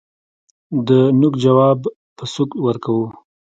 دنوک جواب په سوک ورکوو